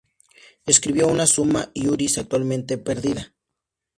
Escribió una Summa iuris actualmente perdida.